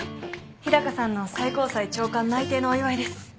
日高さんの最高裁長官内定のお祝いです。